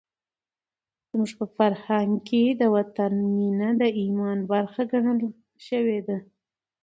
زموږ په فرهنګ کې د وطن مینه د ایمان برخه ګڼل شوې ده.